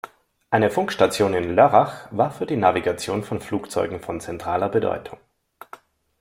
Eine Funkstation in Lörrach war für die Navigation von Flugzeugen von zentraler Bedeutung.